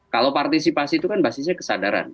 kalau partisipasi itu kan basisnya kesadaran